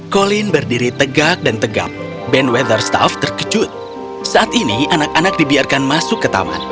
colin berdiri tegak dan tegap band weatherstaf terkejut saat ini anak anak dibiarkan masuk ke taman